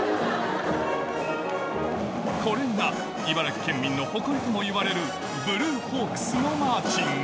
これが茨城県民の誇りともいわれる ＢＬＵＥ−ＨＡＷＫＳ のマーチング